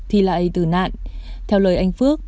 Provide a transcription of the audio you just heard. thì lại tử nạn theo lời anh phước